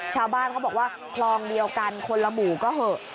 ชาวบ้านเขาบอกว่าคลองเดียวกันคนละหมู่ก็เหอะ